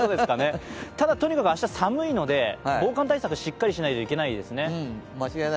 ただ、とにかく明日寒いので防寒対策しっかりしないといけないですね。